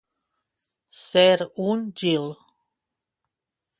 Ser un gil.